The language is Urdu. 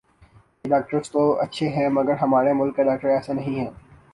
یہ ڈاکٹرز تو اچھے ھیں مگر ھمارے ملک کے ڈاکٹر ایسے نہیں ھیں